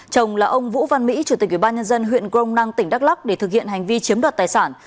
chồng là ông vũ văn mỹ chủ tịch ủy ban nhân dân huyện crong năng tỉnh đắk lắc để thực hiện hành vi chiếm đoạt tài sản